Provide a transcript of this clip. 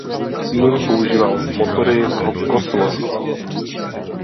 Tým používal motory Cosworth.